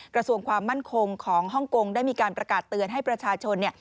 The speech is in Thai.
กระทรวงความมั่นคงของฮ่องกงได้มีการประกาศเตือนให้ประชาชนเนี่ย